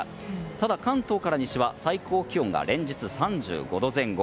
ただ、関東から西は最高気温が連日３５度前後。